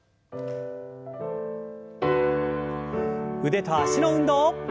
腕と脚の運動。